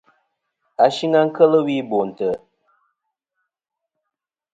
Ashɨng a kel wi Bo ntè.